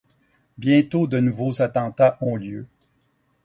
Bientôt de nouveaux attentats ont lieu.